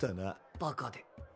バカで。